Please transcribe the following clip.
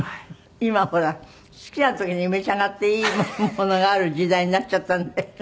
今ほら好きな時に召し上がっていいものがある時代になっちゃったので。